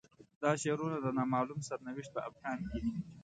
دا شعارونه د نا معلوم سرنوشت په ابهام کې دي.